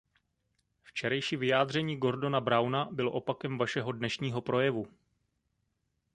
Včerejší vyjádření Gordona Browna bylo opakem vašeho dnešního projevu.